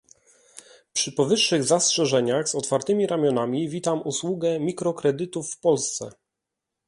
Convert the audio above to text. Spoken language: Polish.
Przy powyższych zastrzeżeniach z otwartymi ramionami witam usługę mikrokredytów w Polsce